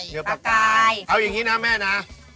เนื้อปลากายเอาอย่างงี้นะแม่นะ